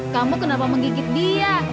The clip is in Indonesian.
kamu kenapa menggigit dia